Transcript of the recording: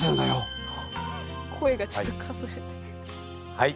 はい。